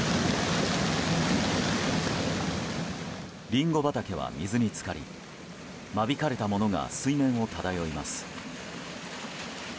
リンゴ畑は水に浸かり間引かれたものが水面を漂います。